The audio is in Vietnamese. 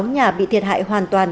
hai mươi sáu nhà bị thiệt hại hoàn toàn